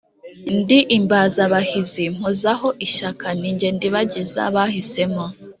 ndi imbabazabahizi mpozaho ishyaka ni jye Ndibagiza bahisemo.